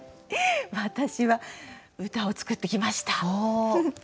私は歌を作ってきました。